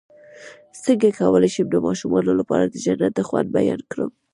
څنګه کولی شم د ماشومانو لپاره د جنت د خوند بیان کړم